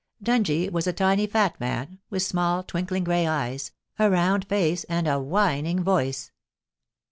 Dungie was a tiny fat man, with small, twinkling grey eyes, a round face, and a whining voice.